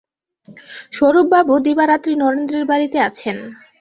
স্বরূপবাবু দিবারাত্রি নরেন্দ্রের বাড়িতে আছেন।